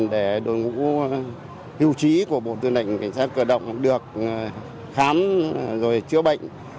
để đội ngũ hưu trí của bộ tư lệnh cảnh sát cơ động được khám rồi chữa bệnh